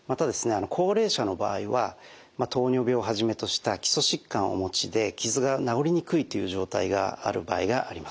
高齢者の場合は糖尿病をはじめとした基礎疾患をお持ちで傷が治りにくいという状態がある場合があります。